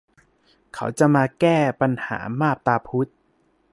เขาจะมาแก้ปัญหามาบตาพุด